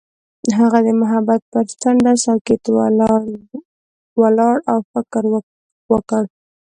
هغه د محبت پر څنډه ساکت ولاړ او فکر وکړ.